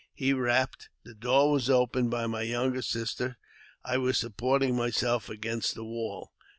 He rapped ; the door was opened by my younger sister ; I was supporting myself against the wall.